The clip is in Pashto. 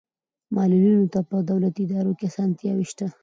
معلولینو ته په دولتي ادارو کې اسانتیاوې شته.